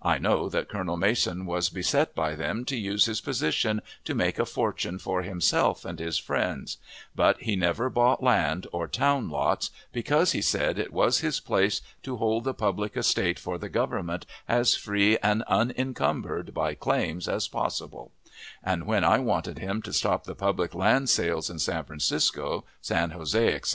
I know that Colonel Mason was beset by them to use his position to make a fortune for himself and his friends; but he never bought land or town lots, because, he said, it was his place to hold the public estate for the Government as free and unencumbered by claims as possible; and when I wanted him to stop the public land sales in San Francisco, San Jose, etc.